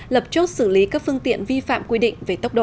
lập chốt xử lý các phương tiện vi phạm quy định về tốc độ